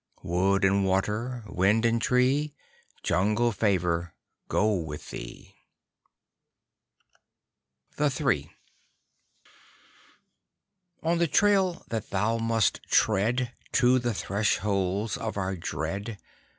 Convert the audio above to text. Wood and Water, Wind and Tree, Jungle Favor go with thee! THE THREE _On the trail that thou must tread To the thresholds of our dread.